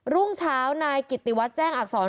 รุ่งเช้านายกิติวัตรแจ้งอักษร